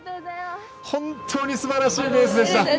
本当にすばらしいレースでした。